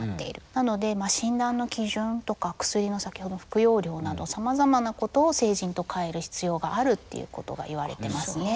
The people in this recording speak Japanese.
なので診断の基準とか薬の先ほどの服用量などさまざまなことを成人と変える必要があるっていうことが言われてますね。